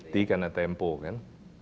t karena tempo kan